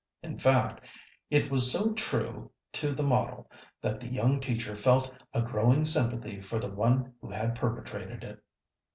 In fact, it was so true to the model that the young teacher felt a growing sympathy for the one who had perpetrated it.